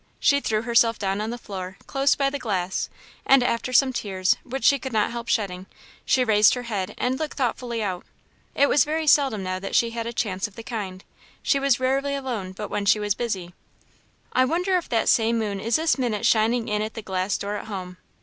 She threw herself down on the floor, close by the glass, and after some tears, which she could not help shedding, she raised her head and looked thoughtfully out. It was very seldom now that she had a chance of the kind; she was rarely alone but when she was busy. "I wonder if that same moon is this minute shining in at the glass door at home?